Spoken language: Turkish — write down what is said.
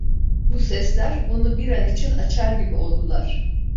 Bu sesler onu bir an için açar gibi oldular.